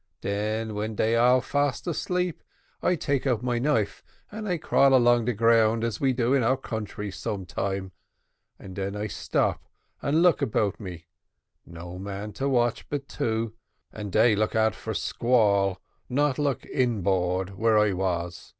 Den when dey all fast asleep, I take out my knife and I crawl 'long de ground, as we do in our country sometime and den I stop and look 'bout me; no man watch but two, and dey look out for squarl, not look in board where I was.